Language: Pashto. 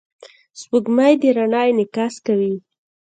سپوږمۍ د رڼا انعکاس کوي.